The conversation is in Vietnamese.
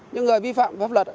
những người vi phạm pháp luật